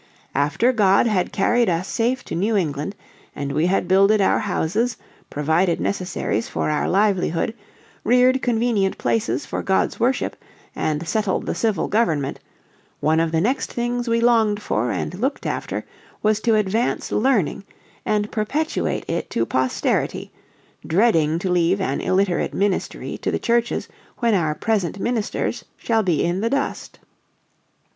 "After God had carried us safe to New England, and we had builded our houses, provided necessaries for our livelihood, rear'd convenient places for God's worship, and settled the Civil Government, one of the next things we longed for and looked after was to advance learning and perpetuate it to Posterity, dreading to leave an illiterate ministry to the Churches when our present ministers shall be in the Dust."